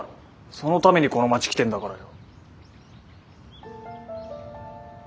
そのためにこの町来てんだからよ。